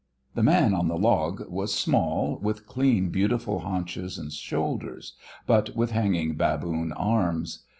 The man on the log was small, with clean beautiful haunches and shoulders, but with hanging baboon arms.